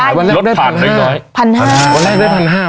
ตังค์ได้๑๕๐๐บาทวันแรกได้๑๕๐๐บาท๑๕๐๐บาท